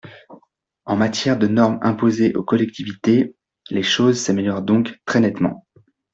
En matière de normes imposées aux collectivités, les choses s’améliorent donc très nettement.